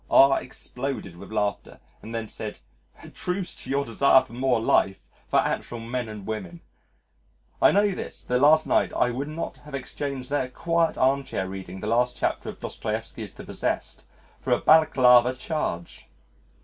'" R exploded with laughter and then said, "A truce to your desire for more life, for actual men and women. ... I know this that last night I would not have exchanged the quiet armchair reading the last chapter of Dostoieffsky's The Possessed for a Balaclava Charge."